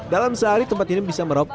dalam sehari tempat ini bisa merokok